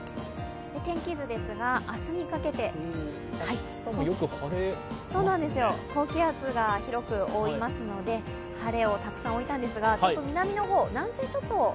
天気図ですが、明日にかけて高気圧が広く覆いますので晴れをたくさん置いたんですが、南の方、南西諸島